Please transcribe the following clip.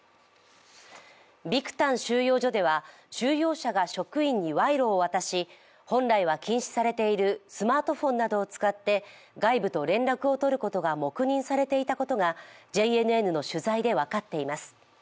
ビクタン収容所では収容者が職員に賄賂を渡し本来は禁止されているスマートフォンなどを使って外部と連絡を取ることが黙認されていたことがＪＮＮの取材で分かっています。